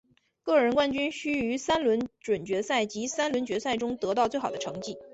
个人冠军需于三轮准决赛及三轮决赛中得到最好的成绩。